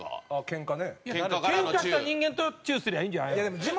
ケンカした人間とチューすりゃいいんじゃないの？